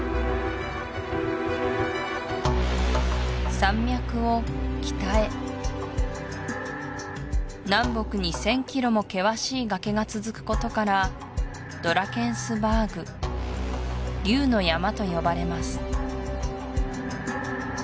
山脈を北へ南北に１０００ｋｍも険しい崖が続くことからドラケンスバーグ竜の山と呼ばれます